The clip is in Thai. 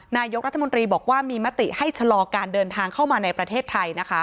นายกรัฐมนตรีบอกว่ามีมติให้ชะลอการเดินทางเข้ามาในประเทศไทยนะคะ